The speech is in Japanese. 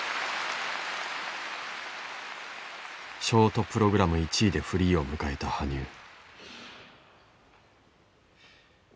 ショートプログラム１位でフリーを迎えた羽生。